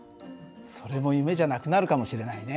それも夢じゃなくなるかもしれないね。